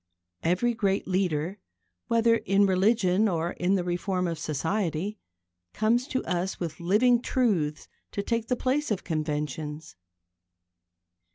Every great leader, whether in religion or in the reform of society, comes to us with living truths to take the place of conventions.